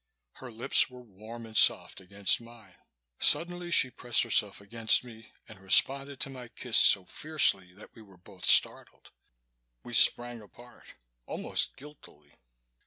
Her lips were warm and soft against mine. Suddenly she pressed herself against me and responded to my kiss so fiercely that we were both startled. We sprang apart, almost guiltily.